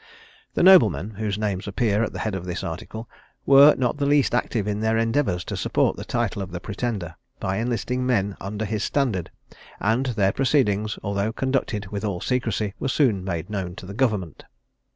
The noblemen, whose names appear at the head of this article, were not the least active in their endeavours to support the title of the Pretender, by enlisting men under his standard; and their proceedings, although conducted with all secrecy, were soon made known to the government.